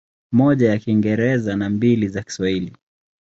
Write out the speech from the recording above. Moja ya Kiingereza na mbili za Kiswahili.